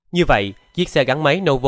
như vậy chiếc xe gắn máy novo